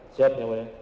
siap yang mulia